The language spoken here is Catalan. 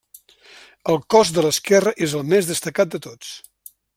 El cos de l'esquerra és el més destacat de tots.